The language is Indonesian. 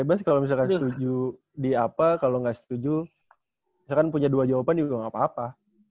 bebas kalo misalkan setuju di apa kalo gak setuju misalkan punya dua jawaban juga gak apa apa